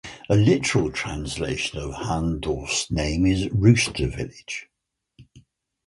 A literal translation of Hahndorf's name is "rooster-village".